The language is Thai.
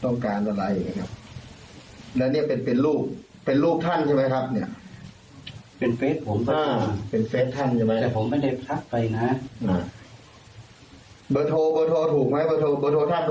๐๘๖นะครับ๐๘๖อะไรครับ๐๘๖๑๘๑๕แล้วก็มือโทรท่านเหรอครับเนี่ยครับ